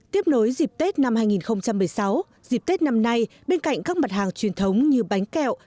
tiếp nối dịp tết năm hai nghìn một mươi sáu dịp tết năm nay bên cạnh các mặt hàng truyền thống như bánh kẹo